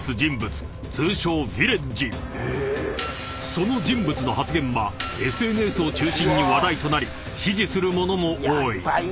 ［その人物の発言はＳＮＳを中心に話題となり支持する者も多い］